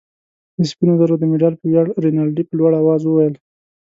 د سپینو زرو د مډال په ویاړ. رینالډي په لوړ آواز وویل.